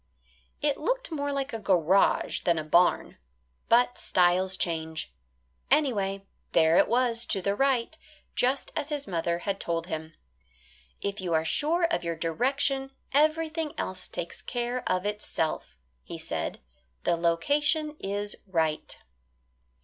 It looked more like a garage than a barn. But styles change. Anyway, there it was to the right, just as his mother had told him. "If you are sure of your direction everything else takes care of itself," he said. "The location is right."